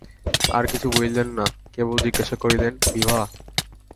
আর কিছু বলিলেন না, কেবল জিজ্ঞাসা করিলেন, বিভা?